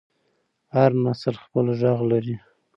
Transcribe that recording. هر نسل خپل غږ لري